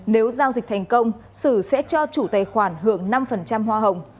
nếu giao dịch thành công sự sẽ cho chủ tài khoản hưởng năm